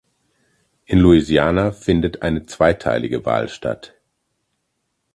In Louisiana findet eine zweiteilige Wahl statt.